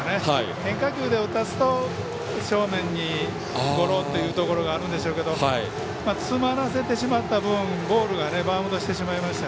変化球で打たすと、正面にゴロというところがあるんでしょうが詰まらせてしまった分、ボールがバウンドしてしまいました。